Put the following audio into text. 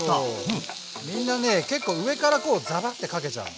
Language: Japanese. みんなね結構上からこうザバッてかけちゃうの。